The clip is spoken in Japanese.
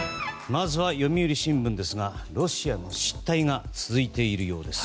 まずは読売新聞ですがロシアの失態が続いているようです。